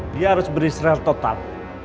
dia harus beristirahat total